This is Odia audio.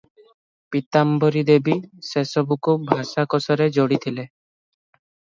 ପୀତାମ୍ବରୀ ଦେବୀ ସେସବୁକୁ ଭାଷାକୋଷରେ ଯୋଡ଼ିଥିଲେ ।